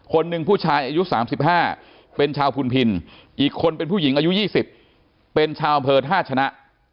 คนหนึ่งผู้ชายอายุ๓๕เป็นชาวพุนพินอีกคนเป็นผู้หญิงอายุ๒๐เป็นชาวอำเภอท่าชนะ